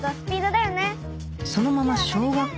ＨＥそのまま小学校